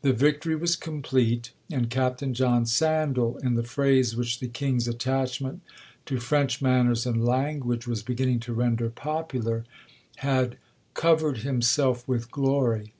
The victory was complete,—and Captain John Sandal, in the phrase which the King's attachment to French manners and language was beginning to render popular, had 'covered himself with glory.'